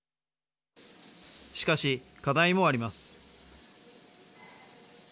しかし、課題もあります。